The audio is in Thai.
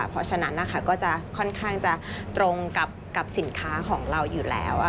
เพราะฉะนั้นนะคะก็จะค่อนข้างจะตรงกับสินค้าของเราอยู่แล้ว